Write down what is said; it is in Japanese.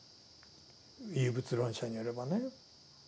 唯物論者によればね。